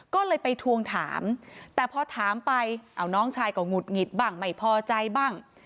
ก็เลยไปทวงถามแต่พอถามไปเอาน้องชายก็หงุดหงิดบ้างไม่พอใจบ้าง